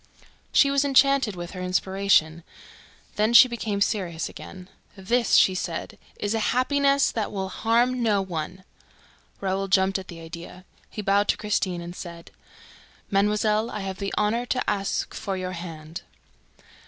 She was enchanted with her inspiration. Then she became serious again. "This," she said, "IS A HAPPINESS THAT WILL HARM NO ONE." Raoul jumped at the idea. He bowed to Christine and said: "Mademoiselle, I have the honor to ask for your hand."